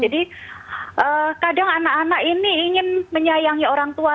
jadi kadang anak anak ini ingin menyayangi orang tua